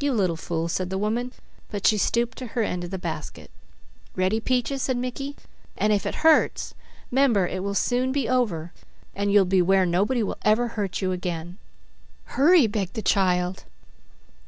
"You little fool," said the woman, but she stooped to her end of the basket. "Ready, Peaches," said Mickey, "and if it hurts, 'member it will soon be over, and you'll be where nobody will ever hurt you again." "Hurry!" begged the child.